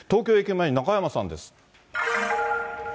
前、中山さんです。